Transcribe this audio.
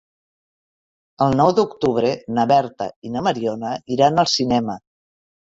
El nou d'octubre na Berta i na Mariona iran al cinema.